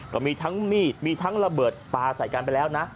ก็มีทั้งมีดมีทั้งระเบิดปลาใส่กันไปแล้วนะ